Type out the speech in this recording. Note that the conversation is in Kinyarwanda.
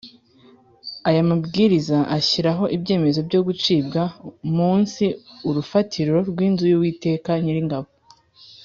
Aya Mabwiriza ashyiraho ibyemezo byo gucibwa munsi urufatiro rw inzu y Uwiteka Nyiringabo